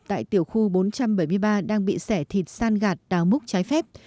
tại tiểu khu bốn trăm bảy mươi ba đang bị xẻ thịt san gạt đào múc trái phép